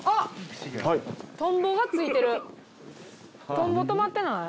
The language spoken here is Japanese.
トンボとまってない？